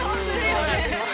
お願いします。